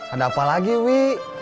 ada apa lagi wi